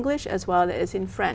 đã chia sẻ